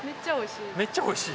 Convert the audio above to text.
めっちゃおいしい？